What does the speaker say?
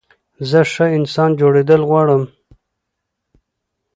زه ښه انسان جوړېدل غواړم.